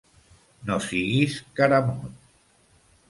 No siguis caramot.